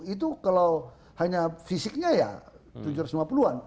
itu kalau hanya fisiknya ya tujuh ratus lima puluh an